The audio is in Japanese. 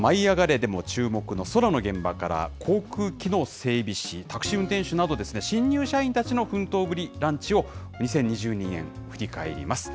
でも注目の空の現場から航空機の整備士、タクシー運転手など、新入社員たちの奮闘ぶり、ランチを２０２２年、振り返ります。